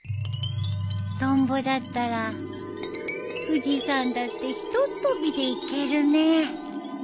トンボだったら富士山だってひとっ飛びで行けるね。